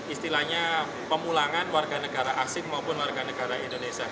istilahnya pemulangan warga negara asing maupun warga negara indonesia